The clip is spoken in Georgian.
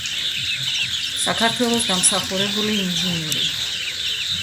საქართველოს დამსახურებული ინჟინერი.